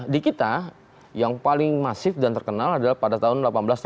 di kita yang paling masif dan terkenal adalah pada tahun seribu delapan ratus delapan puluh